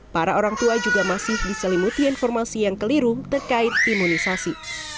para orang tua juga masih diselimuti informasi yang keliru terkait imunisasi